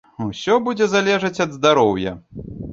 Усё будзе залежаць ад здароўя.